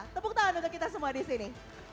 tepuk tangan untuk kita semua disini